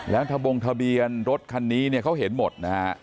แล้วทะบงทะเบียนรถคันนี้เนี่ยเขาเห็นหมดนะฮะ